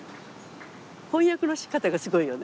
翻訳のしかたがすごいよね。